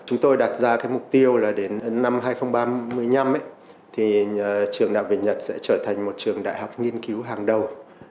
chúng tôi đặt ra cái mục tiêu là đến năm hai nghìn một mươi năm thì trường đại học việt nhật sẽ trở thành một trường đại học nghiên cứu hàng đầu